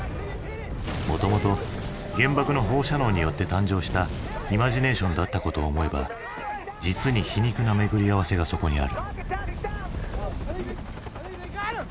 もともと原爆の放射能によって誕生したイマジネーションだったことを思えば実に皮肉な巡り合わせがそこにある。